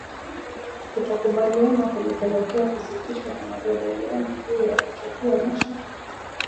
Kutokukubaliana kulipelekea kusitishwa kwa majadiliano juu ya kuchagua nchi itakayokuwa mwenyeji wa Taasisi ya Vyombo vya Habari Afrika Mashariki